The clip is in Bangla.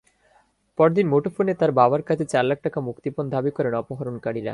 পরদিন মুঠোফোনে তার বাবার কাছে চার লাখ টাকা মুক্তিপণ দাবি করেন অপহরণকারীরা।